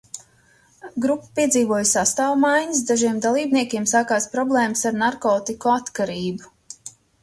Grupa piedzīvoja sastāva maiņas, dažiem dalībniekiem sākās problēmas ar narkotiku atkarību.